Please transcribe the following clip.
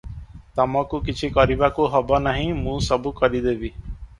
ତମକୁ କିଛି କରିବାକୁ ହବ ନାହିଁ, ମୁଁ ସବୁ କରିଦେବି ।"